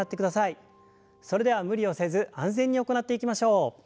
それでは無理をせず安全に行っていきましょう。